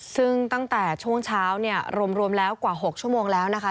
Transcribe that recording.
ซึ่งตั้งแต่ช่วงเช้าเนี่ยรวมแล้วกว่า๖ชั่วโมงแล้วนะคะ